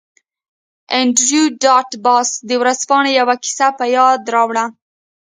انډریو ډاټ باس د ورځپاڼې یوه کیسه په یاد راوړه